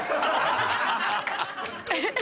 ハハハハ！